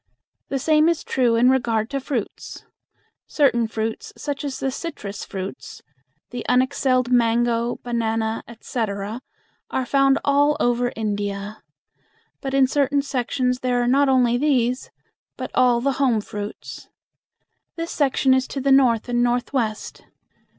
The same is true in regard to fruits. Certain fruits, such as the citrus fruits, the unexcelled mango, bananas, etc., are found all over India; but in certain sections there are not only these, but all the home fruits. This section is to the north and northwest.